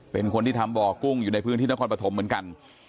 เป็นคนที่ทำบ่อกุ้งอยู่ในพื้นที่นครปฐมเหมือนกัน